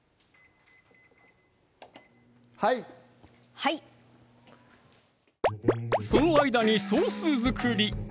はいはいその間にソース作り